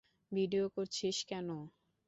Video করছিস কেন?